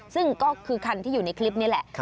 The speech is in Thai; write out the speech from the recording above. ซึ่งก็คือคันที่อยู่ในคลิปนี้แหละ